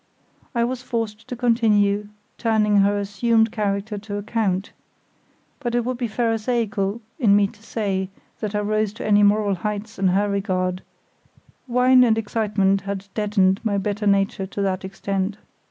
I was forced to continue turning her assumed character to account; but it would be pharisaical in me to say that I rose to any moral heights in her regard—wine and excitement had deadened my better nature to that extent.